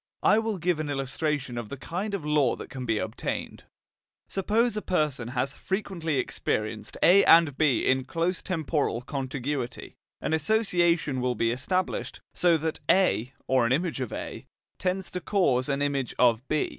I will give an illustration of the kind of law that can be obtained. Suppose a person has frequently experienced A and B in close temporal contiguity, an association will be established, so that A, or an image of A, tends to cause an image of B.